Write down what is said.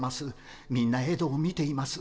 みんなエドを見ています。